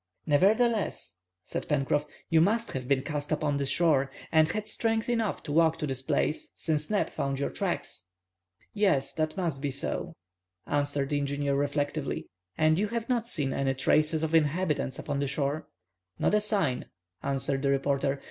"Nevertheless," said Pencroff, "you must have been cast upon the shore, and had strength enough to walk to this place, since Neb found your tracks." "Yes, that must be so," answered the engineer, reflectively. "And you have not seen any traces of inhabitants upon the shore?" "Not a sign," answered the reporter.